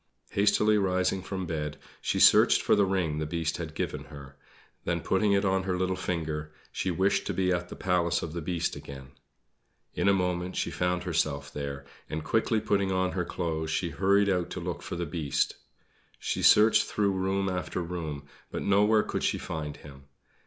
Hastily rising from bed, she searched for the ring the Beast had given her. Then putting it on her little finger she wished to be at the Palace of the Beast again. In a moment she found herself there; and quickly putting on her clothes she hurried out to look for the Beast. She searched through room after room; but nowhere could she find him.